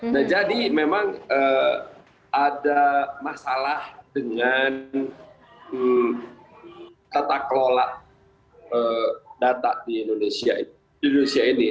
nah jadi memang ada masalah dengan tata kelola data di indonesia ini